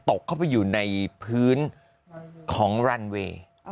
ตกเข้าไปอยู่ในพื้นของรันเวย์